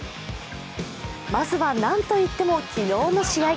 まずは、何といっても昨日の試合。